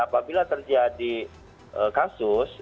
apabila terjadi kasus